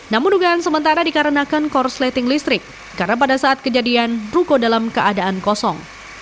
namun dugaan sementara dikarenakan korsleting listrik karena pada saat kejadian ruko dalam keadaan kosong